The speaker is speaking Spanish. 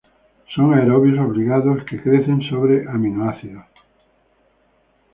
Son aerobios obligados que crecen sobre aminoácidos.